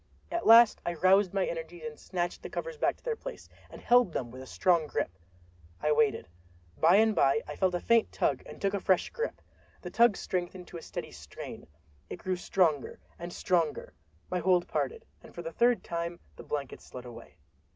At last I roused my energies and snatched the covers back to their place and held them with a strong grip. I waited. By and by I felt a faint tug, and took a fresh grip. The tug strengthened to a steady strain—it grew stronger and stronger. My hold parted, and for the third time the blankets slid away.